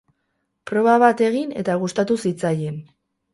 Proba bat egin eta gustatu zitzaien.